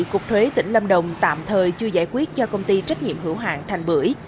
cục thuế tỉnh lâm đồng tạm thời chưa giải quyết cho công ty trách nhiệm hữu hạng thành bưởi